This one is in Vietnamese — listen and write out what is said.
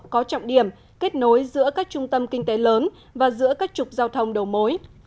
có trọng điểm kết nối giữa các trung tâm kinh tế lớn và giữa các trục giao thông đầu mối